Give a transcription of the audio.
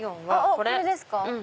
これですか。